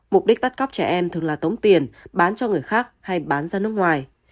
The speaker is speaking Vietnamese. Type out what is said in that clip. mục đích bắt cóc trẻ em thường là tống tiền bán cho người khác hay bán ra nước ngoài